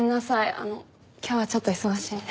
あの今日はちょっと忙しいんで。